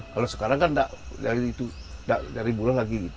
kalau sekarang kan gak dari itu gak dari bulan lagi gitu